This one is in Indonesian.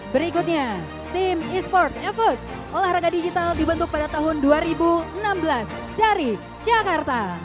berikutnya tim e sport evos olahraga digital dibentuk pada tahun dua ribu enam belas dari jakarta